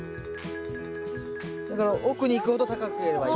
奥に行くほど高ければいい。